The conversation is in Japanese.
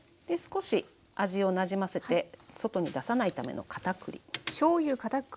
で少し味をなじませて外に出さないためのかたくり。